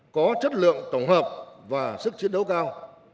có chất lượng tổng hợp và sức chiến đấu cao